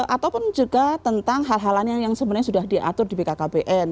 ataupun juga tentang hal hal lain yang sebenarnya sudah diatur di bkkbn